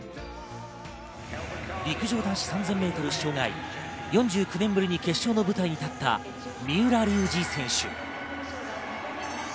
陸上男子３０００ｍ障害、４９年ぶりに決勝の舞台に立った三浦龍司選手。